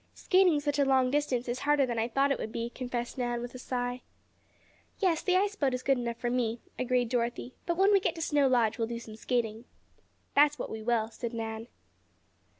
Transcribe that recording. "Skating such a long distance is harder than I thought it would be," confessed Nan, with a sigh. "Yes, the ice boat is good enough for me," agreed Dorothy. "But when we get to Snow Lodge we'll do some skating." "That's what we will," said Nan.